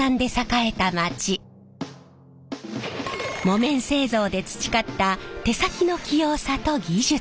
木綿製造で培った手先の器用さと技術。